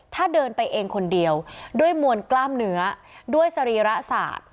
ถ้าเดินไปเองคนเดียวด้วยมวลกล้ามเนื้อด้วยสรีระศาสตร์